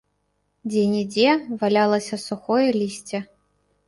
Дзе-нідзе валялася сухое лісце.